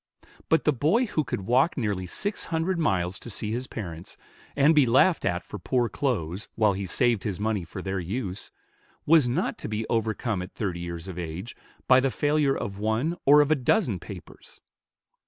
But the boy who could walk nearly six hundred miles to see his parents, and be laughed at for poor clothes, while he saved his money for their use, was not to be overcome at thirty years of age, by the failure of one or of a dozen papers.